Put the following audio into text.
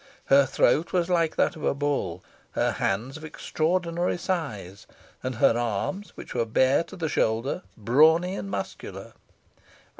Her throat was like that of a bull; her hands of extraordinary size; and her arms, which were bare to the shoulder, brawny and muscular.